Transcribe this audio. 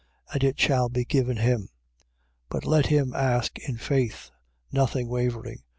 And it shall be given him. 1:6. But let him ask in faith, nothing wavering.